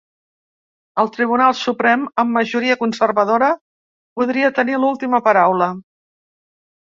El Tribunal Suprem, amb majoria conservadora, podria tenir l’última paraula.